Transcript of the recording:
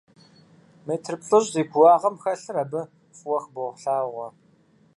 Метр плӏыщӏ зи кууагъым хэлъыр абы фӀыуэ хыболъагъуэ.